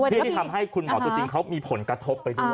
ที่ที่ทำให้คุณหมอตัวจริงเขามีผลกระทบไปด้วย